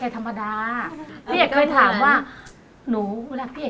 เหมือนกันไง